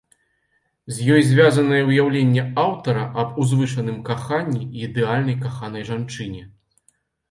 З ёй звязанае ўяўленне аўтара аб узвышаным каханні і ідэальнай каханай жанчыне.